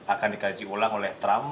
akan dikaji ulang oleh trump